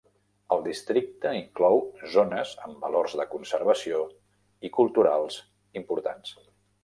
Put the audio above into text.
El districte inclou zones amb valors de conservació i culturals importants.